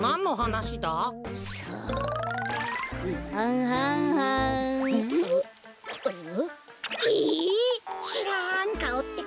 しらんかおってか。